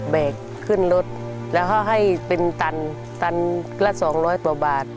แบกขึ้นรถแล้วก็ให้เป็นตันตันละสองร้อยกว่าบาท